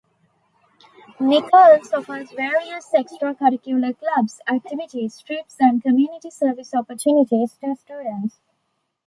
Nichols offers various extracurricular clubs, activities, trips and community service opportunities to students.